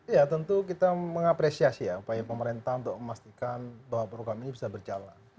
ya tentu kita mengapresiasi ya upaya pemerintah untuk memastikan bahwa program ini bisa berjalan